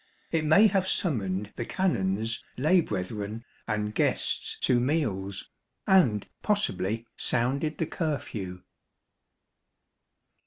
It may have summoned the Canons, lay brethren, and guests to meals ; and possibly sounded the curfew.